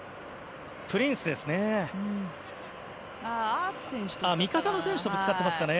プリンスですかね。